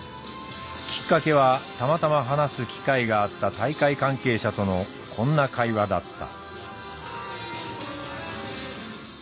きっかけはたまたま話す機会があった大会関係者とのこんな会話だった。